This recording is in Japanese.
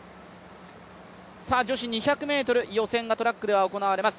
女子２００ｍ予選がトラックでは行われます。